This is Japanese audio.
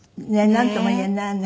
なんともいえないよね。